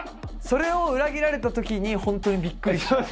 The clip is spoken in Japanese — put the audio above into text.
それを裏切られたときに、本当にびっくりした。